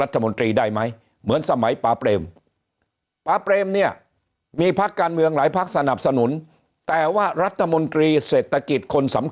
ที่จะมาแก้ปัญหาเศรษฐกิจ